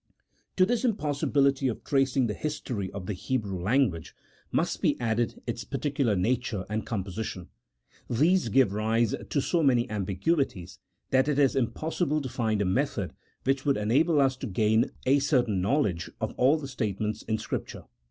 To this impossibility of tracing the history of the Hebrew language must be added its particular nature and compo sition : these give rise to so many ambiguities that it is im possible to find a method which would enable us to gain a certain knowledge of all the statements in Scripture.